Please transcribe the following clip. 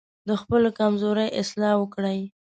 د خپلو کمزورۍ اصلاح وکړئ.